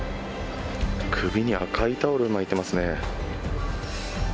首に赤いタオル巻いてますね。